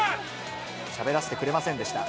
しゃべらせてくれませんでした。